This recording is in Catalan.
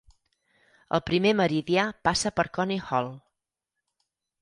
El primer Meridià passa per Coney Hall.